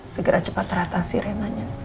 segera cepat rata si renna nya